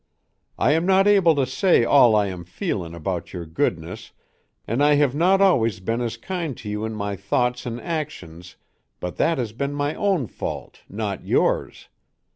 I am not able to say all I am feelin about your goodness an I hev not always ben as kind to you in my thoughts an axions but that has ben my own fault not yours.